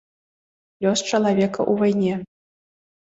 Лёс чалавека ў вайне.